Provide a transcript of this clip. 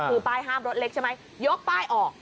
คือป้ายห้ามรถเล็กใช่ไหมยกป้ายออก